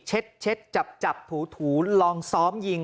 เช็ดจับถูลองซ้อมยิง